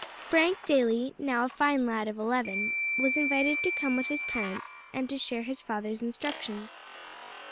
Frank Daly, now a fine lad of eleven, was invited to come with his parents, and to share his father's instructions.